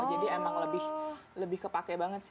jadi emang lebih kepake banget sih